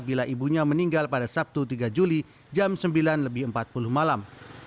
bila ibunya meninggal pada sabtu tiga juli jam sembilan lebih empat puluh malam